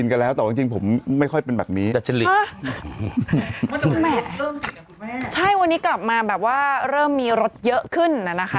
เดี๋ยวดูสิทธิ์คนมากเพื่อน